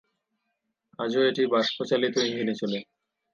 আজও এটি বাষ্পচালিত ইঞ্জিনে চলে।